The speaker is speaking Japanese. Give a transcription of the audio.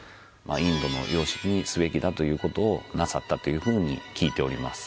インドの様式にすべきだという事をなさったというふうに聞いております。